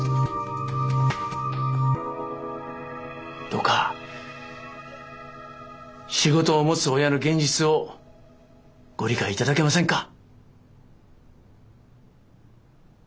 どうか仕事を持つ親の現実をご理解いただけませんか？